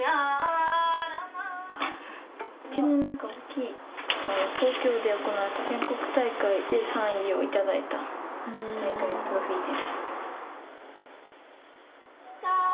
一番大きいの、東京で行った全国大会で３位を頂いた大会のトロフィーです。